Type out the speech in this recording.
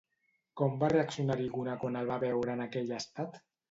Com va reaccionar Erígone quan el va veure en aquell estat?